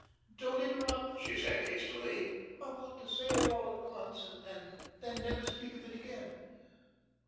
Don't interrupt," she said, hastily. "I want to say it all at once, and then never speak of it again.